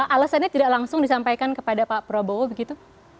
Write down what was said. alasannya tidak langsung disampaikan kepada pak prabowo begitu